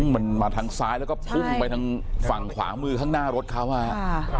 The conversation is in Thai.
มันมาทางซ้ายแล้วก็พุ่งไปทางฝั่งขวามือข้างหน้ารถเขาอ่ะ